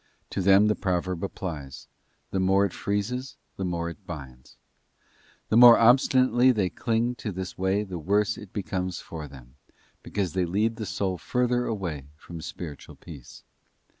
To them the proverb applies, 'the more it freezes the more it binds ;' the more obstinately they cling to this way the worse it becomes for them, because they lead their soul further away from spiritual peace.